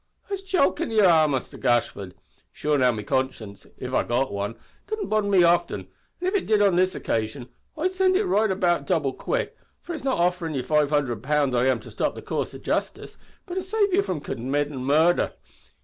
"It's jokin' ye are, Muster Gashford. Sure, now, me conscience if I've got wan doesn't bother me oftin; an' if it did, on this occasion, I'd send it to the right about double quick, for it's not offerin' ye five hundred pound I am to stop the coorse o' justice, but to save ye from committin' murther!